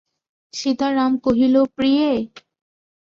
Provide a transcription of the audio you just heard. সীতারাম কহিল, প্রিয়ে।